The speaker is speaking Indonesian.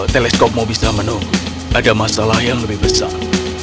teleskopmu bisa menunggu ada masalah yang lebih besar